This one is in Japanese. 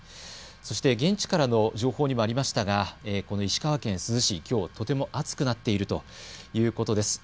そして現地からの情報にもありましたがこの石川県珠洲市、きょうはとても暑くなっているということです。